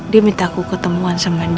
dia minta aku ketemuan sama dia nanti ya